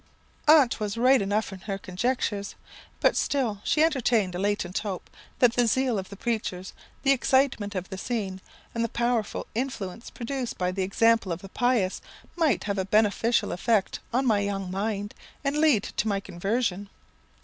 "Aunt was right enough in her conjunctures; but still she entertained a latent hope, that the zeal of the preachers, the excitement of the scene, and the powerful influence produced by the example of the pious, might have a beneficial effect on my young mind, and lead to my conversion.